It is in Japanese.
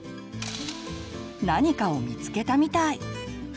何かを見つけたみたい。